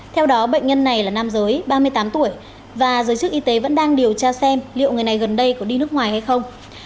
theo đó bệnh nhân này là nam giới ba mươi tám tuổi và giới chức y tế vẫn đang điều tra xem liệu người này gần đây có đi nước ngoài hay không